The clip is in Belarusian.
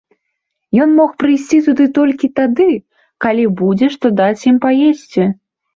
Ён мог прыйсці туды толькі тады, калі будзе што даць ім паесці.